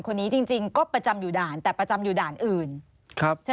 คนนี้จริงจริงก็ประจำอยู่ด่านแต่ประจำอยู่ด่านอื่นครับใช่ไหม